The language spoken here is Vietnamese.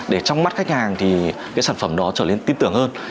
để trong mắt khách hàng thì cái sản phẩm đó trở nên tin tưởng hơn